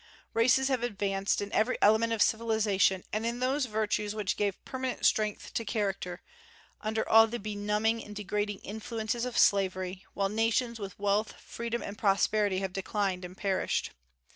Races have advanced in every element of civilization, and in those virtues which give permanent strength to character, under all the benumbing and degrading influences of slavery, while nations with wealth, freedom, and prosperity have declined and perished.